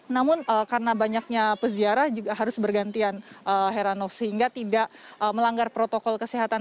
namun karena banyaknya peziarah juga harus bergantian heranov sehingga tidak melanggar protokol kesehatan